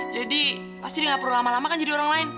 jadi pasti dia gak perlu lama lama kan jadi orang lain